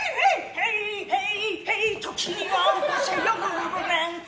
ヘイヘイヘイ時には起こせよムーブメント。